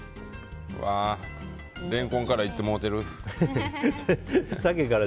うわーレンコンからいってもうてる。